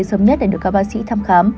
sớm nhất để được các bác sĩ thăm khám